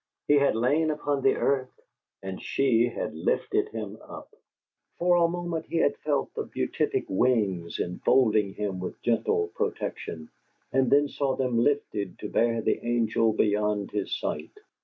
He had lain upon the earth; and she had lifted him up. For a moment he had felt the beatific wings enfolding him with gentle protection, and then saw them lifted to bear the angel beyond his sight.